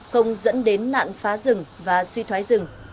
không dẫn đến nạn phá rừng và suy thoái rừng